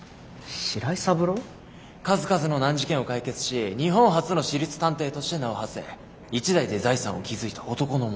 数々の難事件を解決し日本初の私立探偵として名をはせ一代で財産を築いた男の物語。